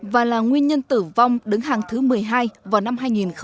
và là nguyên nhân tử vong đứng hàng thứ một mươi hai vào năm hai nghìn một mươi